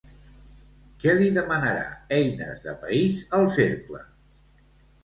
Què li demanarà Eines de País al Cercle?